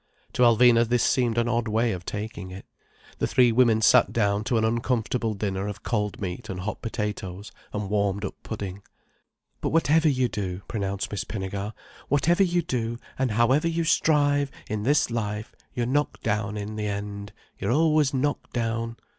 To Alvina this seemed an odd way of taking it. The three women sat down to an uncomfortable dinner of cold meat and hot potatoes and warmed up pudding. "But whatever you do," pronounced Miss Pinnegar; "whatever you do, and however you strive, in this life, you're knocked down in the end. You're always knocked down."